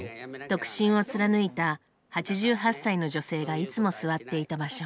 独身を貫いた８８歳の女性がいつも座っていた場所。